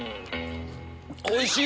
おいしい！